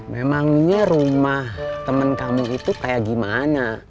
memangnya rumah temen kamu itu kayak gimana